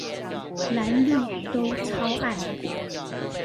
藍綠都超愛